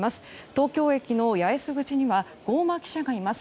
東京駅の八重洲口には郷間記者がいます。